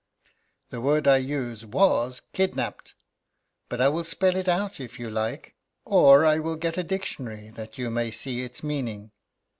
"The word I used was 'kidnapped.' But I will spell it if you like. Or I will get a dictionary, that you may see its meaning."